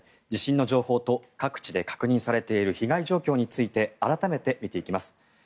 地震の情報と各地で確認されている被害状況について改めて見ていきます。